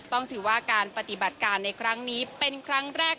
ต้องถือว่าการปฏิบัติการในครั้งนี้เป็นครั้งแรก